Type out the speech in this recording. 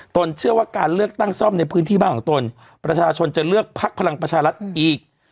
เชื่อว่าการเลือกตั้งซ่อมในพื้นที่บ้านของตนประชาชนจะเลือกพักพลังประชารัฐอีก